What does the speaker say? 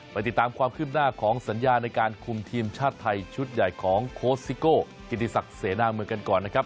ไปติดตามความคืบหน้าของสัญญาในการคุมทีมชาติไทยชุดใหญ่ของโค้ชซิโก้กิติศักดิ์เสนาเมืองกันก่อนนะครับ